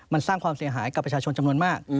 มันสร้างความเสียหายกับประชาชนจำนวนมาก